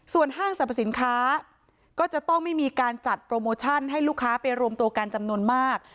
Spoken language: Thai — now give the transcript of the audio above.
ส่วนห้างสรรพสินค้าก็จะต้องไม่มีการจัดโปรโมชั่นให้ลูกค้าไปรวมตัวกันจำนวนมาก